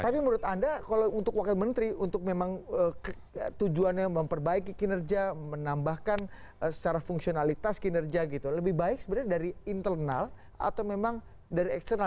tapi menurut anda kalau untuk wakil menteri untuk memang tujuannya memperbaiki kinerja menambahkan secara fungsionalitas kinerja gitu lebih baik sebenarnya dari internal atau memang dari eksternal